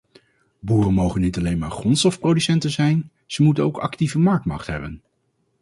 Boeren mogen niet alleen maar grondstofproducenten zijn; ze moeten ook actieve marktmacht hebben.